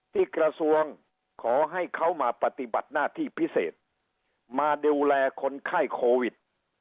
ที่กระทรวงขอให้เขามาปฏิบัติหน้าที่พิเศษมาดูแลคนไข้โควิด